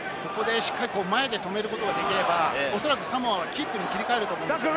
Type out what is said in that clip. しっかり前で止めることができれば、おそらくサモアキックに切り替えると思うんです。